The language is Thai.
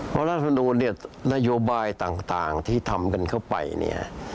เพราะรัฐธรรมดูลนโยบายต่างที่ทำกันเข้าไป